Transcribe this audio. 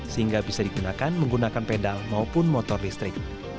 sehingga bisa digunakan menggunakan pedal maupun motor listrik